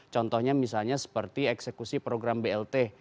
contohnya misalnya seperti eksekusi program blt